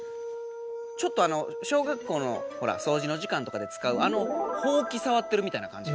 ちょっと小学校のほらそうじの時間とかでつかうあのほうきさわってるみたいな感じ。